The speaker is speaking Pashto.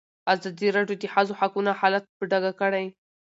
ازادي راډیو د د ښځو حقونه حالت په ډاګه کړی.